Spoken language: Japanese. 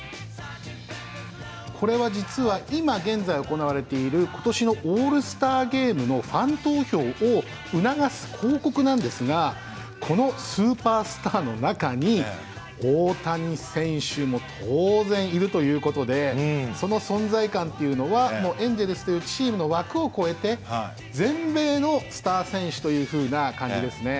これは実は今現在行われている今年のオールスターゲームのファン投票を促す広告なんですがこのスーパースターの中に大谷選手も当然いるということでその存在感っていうのはもうエンジェルスというチームの枠を超えて全米のスター選手というふうな感じですね。